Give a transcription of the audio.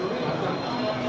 ini saya akan mencoba